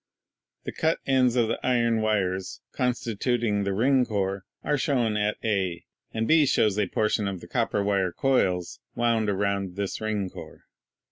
The cut ends of the iron wires con stituting the ring core are shown at A, and B shows a por tion of the copper wire coils wound around this ring core.